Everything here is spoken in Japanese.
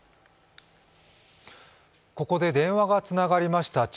ここで電話がつながりました。